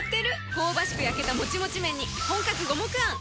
香ばしく焼けたモチモチ麺に本格五目あん！